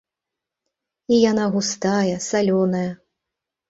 І яна густая, салёная.